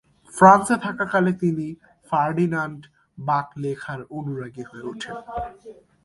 ফ্রান্সে থাকাকালে তিনি ফার্ডিনান্ড বাক লেখার অনুরাগী হয়ে উঠেন।